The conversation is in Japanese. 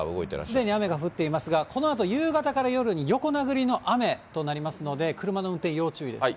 すでに雨が降っていますが、このあと夕方から夜に、横殴りの雨となりますので、車の運転、要注意です。